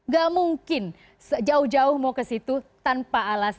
gak mungkin jauh jauh mau ke situ tanpa alasan